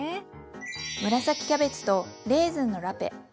紫キャベツとレーズンのラペ。